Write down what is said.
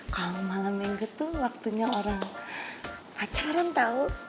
kalau malam minggu tuh waktunya orang pacaran tahu